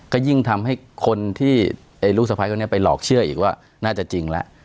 ก็ยิ่งทำให้คนที่ลูกสะพ้ายคนนี้ไปหลอกเชื่ออีกว่าน่าจะจริงแล้ว